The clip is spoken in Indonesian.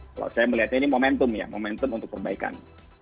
kalau saya melihatnya ini momentum ya momentum untuk perbaikan